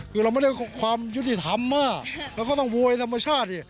คือเราไม่ได้ความยุติธรรมมากแล้วก็ต้องโวยธรรมชาติดิ